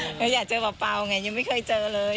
เขาก็จะอยากเจอปะเปล่าไงไม่เคยเจอเลย